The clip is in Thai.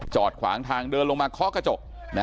ขวางทางเดินลงมาเคาะกระจก